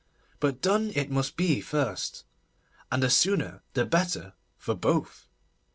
But done it must be first; and the sooner the better for both.